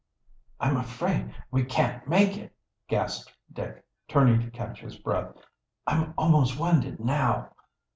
"I'm afraid we can't make it!" gasped Dick, turning to catch his breath. "I'm almost winded now."